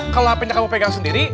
kalau hp nya kamu pegang sendiri